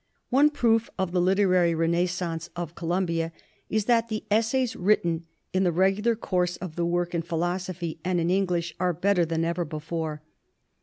"One proof of the literary renascence of Colum bia is that the essays written in the regular course of the work in philosophy and in English are better than ever before."